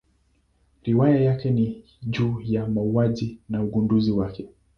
Riwaya zake ni juu ya mauaji na ugunduzi wake.